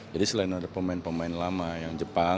jadi selain ada pemain pemain lama saya kira akan terus meningkat